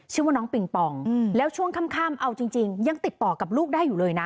ชื่อว่าน้องปิงปองแล้วช่วงค่ำเอาจริงยังติดต่อกับลูกได้อยู่เลยนะ